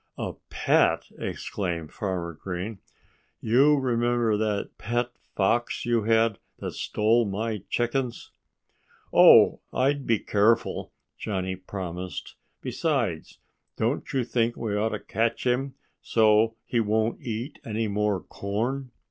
"A pet!" exclaimed Farmer Green. "You remember that pet fox you had, that stole my chickens?" "Oh, I'd be careful," Johnnie promised. "Besides, don't you think we ought to catch him, so he won't eat any more corn?"